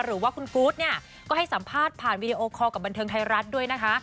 หรือว่าคุณกู๊ดเนี่ยก็ให้สัมภาษณ์ผ่านวีดีโอคอลกับบันเทิงไทยรัฐด้วยนะคะ